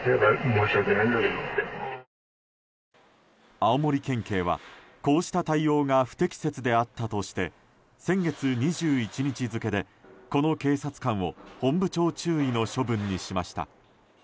青森県警は、こうした対応が不適切であったとして先月２１日付で、この警察官を本部長注意の処分にしました。